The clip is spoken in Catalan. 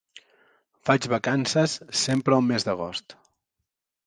Faig vacances sempre al mes d'agost.